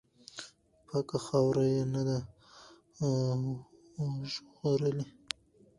پاکه خاوره یې نه ده وژغورلې.